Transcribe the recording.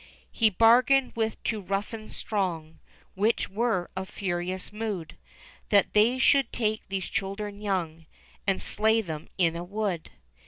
He bargained with two ruffians strong. Which were of furious mood. That they should take these children young. And slay them in a wood.